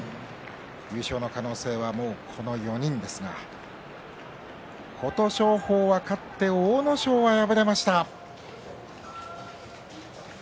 優勝の可能性はこの４人ですが琴勝峰は勝って阿武咲は敗れました。